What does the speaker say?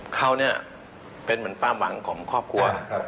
เขาเนี่ยเป็นเหมือนความหวังของครอบครัว